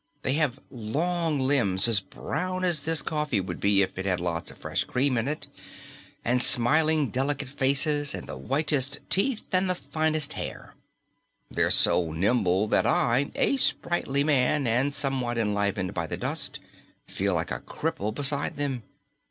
They have long limbs as brown as this coffee would be if it had lots of fresh cream in it, and smiling delicate faces and the whitish teeth and the finest hair. They're so nimble that I a sprightly man and somewhat enlivened by the dust feel like a cripple beside them.